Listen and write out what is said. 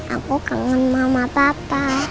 aku kangen mama papa